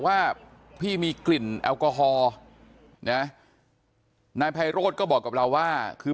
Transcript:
ว่าพี่มีกลิ่นแอลกอฮอล์นะนายไพโรธก็บอกกับเราว่าคือ